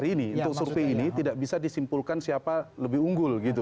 untuk survei ini tidak bisa disimpulkan siapa lebih unggul